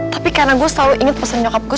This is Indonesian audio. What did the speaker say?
tapi karena gue selalu inget pesan nyokap gue